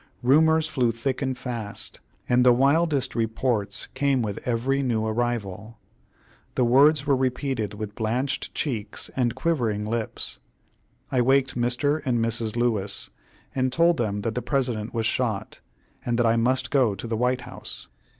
Rumors flew thick and fast, and the wildest reports came with every new arrival. The words were repeated with blanched cheeks and quivering lips. I waked Mr. and Mrs. Lewis, and told them that the President was shot, and that I must go to the White House.